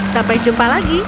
sampai jumpa lagi